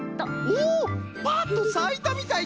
おおパッとさいたみたいじゃ！